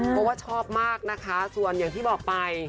เพราะว่าชอบมากนะคะส่วนอย่างที่บอกไป